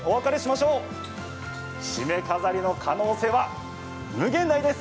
しめ飾りの可能性は無限大です。